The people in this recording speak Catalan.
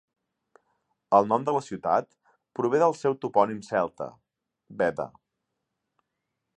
El nom de la ciutat prové del seu topònim celta, "Beda".